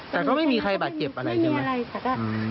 แต่ก็ไม่มีใครบาดเจ็บอะไรใช่ไหม